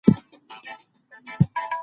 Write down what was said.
په نړۍ کي د هر چا لپاره ځای سته.